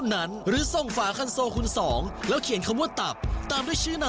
แล้วผู้โชคดีนั่นก็คือ